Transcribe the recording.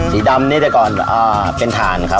สีดำนี่แต่ก่อนเป็นฐานครับ